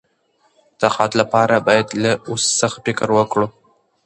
تقاعد لپاره باید له اوس څخه فکر وکړو.